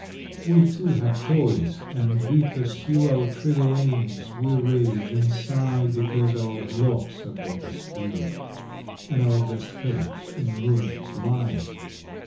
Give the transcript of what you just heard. We too have toys, and we pursue Our trivial aims; we rage and sigh Because our blocks are built askew, And our best hopes in ruins lie.